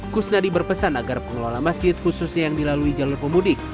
kusnadi berpesan agar pengelola masjid khususnya yang dilalui jalur pemudik